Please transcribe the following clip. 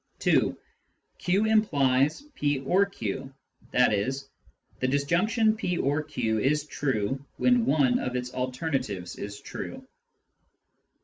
(2) q implies " p or q "— i.e. the disjunction " p or q " is true when one of its alternatives is true.